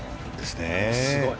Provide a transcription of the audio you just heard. すごい。